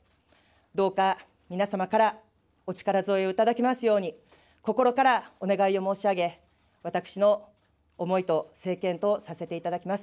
どうか、皆様からお力添えをいただきますように、心からお願いを申し上げ、私の思いと政見とさせていただきます。